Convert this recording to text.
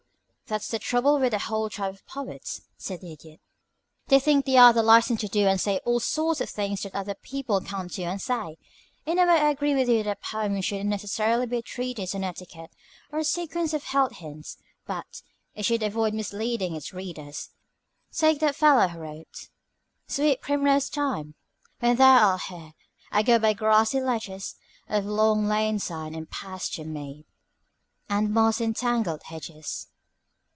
"That's the trouble with the whole tribe of poets," said the Idiot. "They think they are licensed to do and say all sorts of things that other people can't do and say. In a way I agree with you that a poem shouldn't necessarily be a treatise on etiquette or a sequence of health hints, but it should avoid misleading its readers. Take that fellow who wrote "'Sweet primrose time! When thou art here I go by grassy ledges Of long lane side, and pasture mead, And moss entangled hedges.'